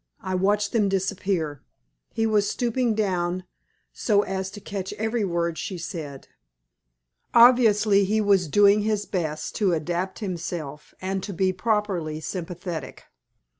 I watched them disappear. He was stooping down so as to catch every word she said. Obviously he was doing his best to adapt himself and to be properly sympathetic.